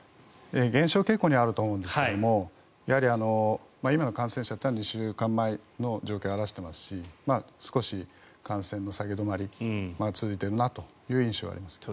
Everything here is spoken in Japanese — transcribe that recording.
減少傾向にはあると思うんですけれどもやはり、今の感染者というのは２週間前の状況を表していますし少し感染の下げ止まりが続いているなという印象があります。